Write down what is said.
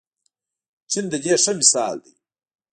چین د دې ښه مثال دی.